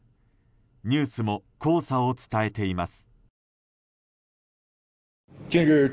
ニュースも黄砂を伝えています。